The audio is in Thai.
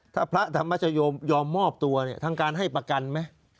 ถ้าพระธรรมชโยมยอมมอบตัวเนี่ยทางการให้ประกันไหม